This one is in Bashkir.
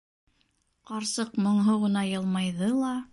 Ҡарсыҡ моңһоу ғына йылмайҙы ла: